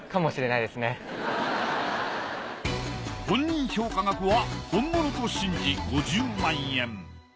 本人評価額は本物と信じ５０万円。